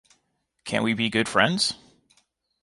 Can’t we be good friends?